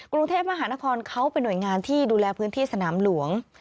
กรุงเทพมหานครเขาเป็นหน่วยงานที่ดูแลพื้นที่สนามหลวง